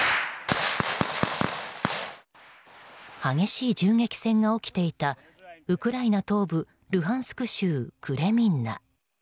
激しい銃撃戦が起きていたウクライナ東部ルハンスク州クレミンナ。